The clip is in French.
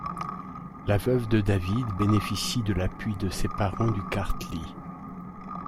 La veuve de David bénéficie de l’appui de ses parents du Karthli.